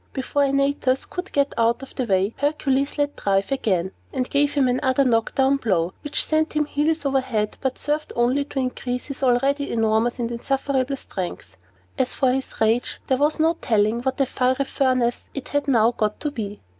Before Antaeus could get out of the way, Hercules let drive again, and gave him another knock down blow, which sent him heels over head, but served only to increase his already enormous and insufferable strength. As for his rage, there is no telling what a fiery furnace it had now got to be.